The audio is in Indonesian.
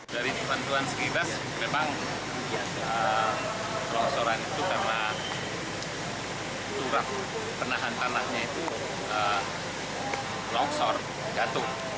dari penentuan segi bas memang longsoran itu karena turak penahan tanahnya itu longsor jatuh